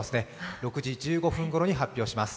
６時１５分ごろに発表します。